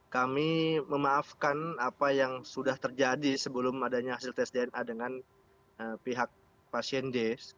kami memaafkan apa yang sudah terjadi sebelum adanya hasil tes dna dengan pihak pasien d